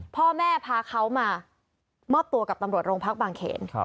พ่อแม่พาเขามามอบตัวกับตำรวจโรงพักบางเขน